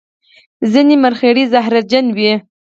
ځینې مرخیړي زهرجن وي